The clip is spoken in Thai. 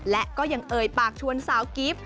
และก็ยังเอ่ยปากชวนสาวกิฟต์